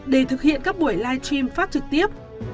để thực hiện các buổi live stream phát trực tiếp